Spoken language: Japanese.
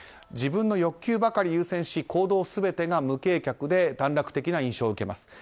自分の欲求ばかりを優先し行動全てが無計画で短絡的な印象を受けます。